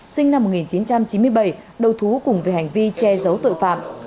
sinh năm một nghìn chín trăm chín mươi bảy đầu thú cùng về hành vi che giấu tội phạm